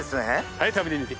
はい食べてみて。